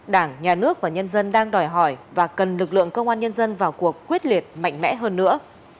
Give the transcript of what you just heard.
đảng nhà nước và nhân dân đang đòi hỏi và cần lực lượng công an nhân dân vào cuộc quyết liệt mạnh mẽ hơn nữa